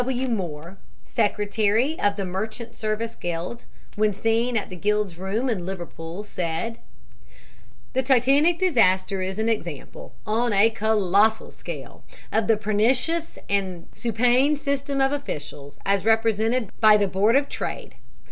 T. W. Moore, Secretary of the Merchant Service Guild, when seen at the guild's rooms in Liverpool, said: "The Titanic disaster is an example, on a colossal scale, of the pernicious and supine system of officials, as represented by the Board of Trade.